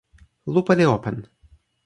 lupa li open.